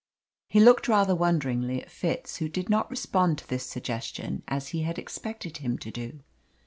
He looked rather wonderingly at Fitz, who did not respond to this suggestion, as he had expected him to do.